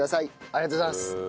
ありがとうございます。